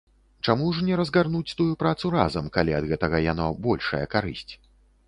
Чаму ж не разгарнуць тую працу разам, калі ад гэтага яно большая карысць?